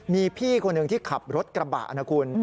มีพี่คนหนึ่งที่ขับรถกระบะนะคุณ